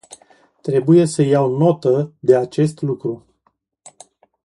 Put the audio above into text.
Trebuie să iau notă de acest lucru.